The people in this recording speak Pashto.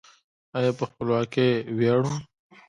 آیا په خپلواکۍ ویاړو؟